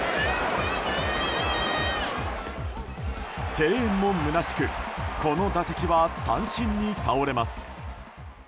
声援もむなしくこの打席は三振に倒れます。